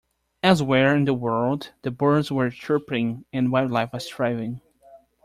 Elsewhere in the world, the birds were chirping and wildlife was thriving.